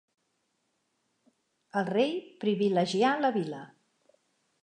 El rei privilegià la vila.